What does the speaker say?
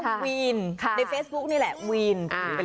ควีนในเฟซบุ๊กนี่แหละวีน